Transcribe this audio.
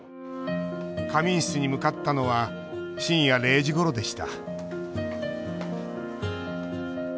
仮眠室に向かったのは深夜０時ごろでした。